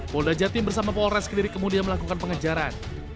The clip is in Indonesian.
molda jatim bersama polres sendiri kemudian melakukan pengejaran